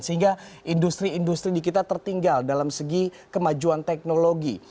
sehingga industri industri di kita tertinggal dalam segi kemajuan teknologi